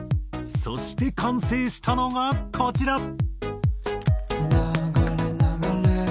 そして完成したのがこちら。